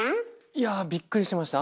いやぁびっくりしました。